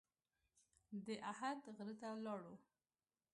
د احد غره ته لاړو.